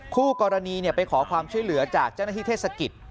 คู่กรณีไปขอความช่วยเหลือจากเจ้าหน้าที่เทศกิจ